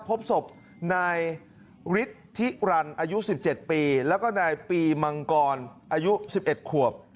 พบศพนายฤทธิรันอายุ๑๗ปีแล้วก็นายปีมังกรอายุ๑๑ขวบ